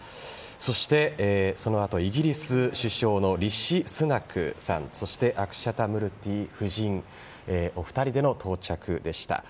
そして、そのあとイギリス首相のリシ・スナクさん、そしてご夫人お二人での到着でした。